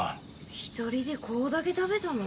１人でこれだけ食べたの？